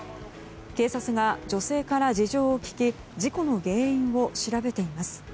警察が女性から事情を聴き事故の原因を調べています。